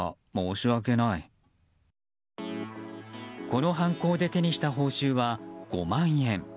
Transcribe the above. この犯行で手にした報酬は５万円。